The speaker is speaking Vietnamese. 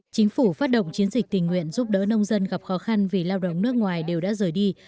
chính phủ phát động chiến dịch tình nguyện giúp đỡ nông dân gặp khó khăn vì lao động nước ngoài đều đã rời đi